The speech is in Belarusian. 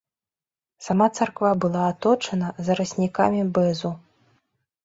Сама царква была аточана зараснікамі бэзу.